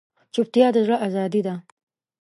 چوپتیا، د زړه ازادي ده.